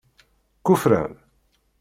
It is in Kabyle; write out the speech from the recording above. Kuferran?